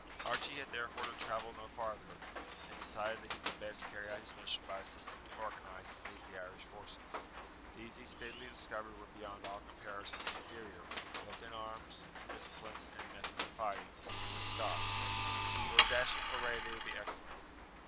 Archie had therefore to travel no farther, and decided that he could best carry out his mission by assisting to organize and lead the Irish forces. These he speedily discovered were beyond all comparison inferior, both in arms, in discipline, and in methods of fighting, to the Scots. For a dashing foray they would be excellent.